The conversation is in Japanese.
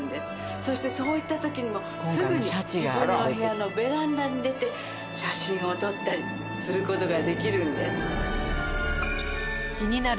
そしてそういった時にもすぐに自分の部屋のベランダに出て写真を撮ったりすることができるんです